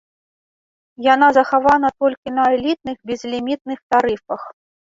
Яна захавана толькі на элітных безлімітных тарыфах.